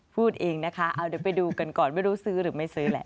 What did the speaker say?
พูดเองนะคะเอาเดี๋ยวไปดูกันก่อนไม่รู้ซื้อหรือไม่ซื้อแหละ